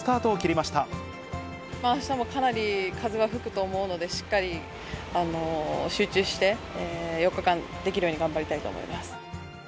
あしたもかなり風は吹くと思うので、しっかり集中して、４日間できるように頑張りたいと思います。